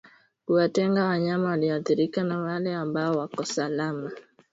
Kuwatenga wanyama walioathirika na wale ambao wako salama